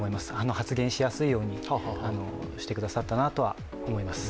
発言しやすいようにしてくださったなとは思います。